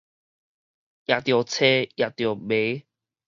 也著箠，也著糜